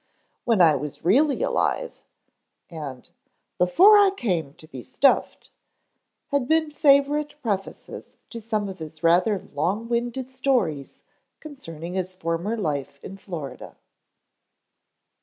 "When I was really alive," and "before I came to be stuffed" had been favorite prefaces to some of his rather long winded stories concerning his former life in Florida.